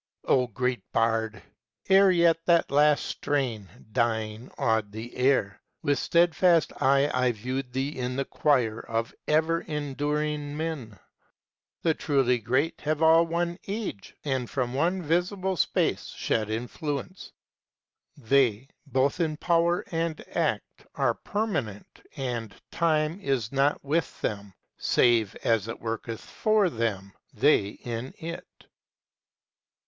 O great Bard! Ere yet that last strain dying awed the air, With stedfast eye I viewed thee in the choir Of ever enduring men. The truly great Have all one age, and from one visible space Shed influence! They, both in power and act, Are permanent, and Time is not with them, Save as it worketh for them, they in it.